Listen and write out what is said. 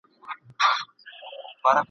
انګرېزان ښایي چي لا هم په دې نه پوهيږي.